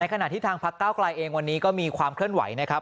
ขณะที่ทางพักเก้าไกลเองวันนี้ก็มีความเคลื่อนไหวนะครับ